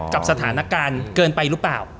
กับสถานการณ์เกินไปหรือเปล่า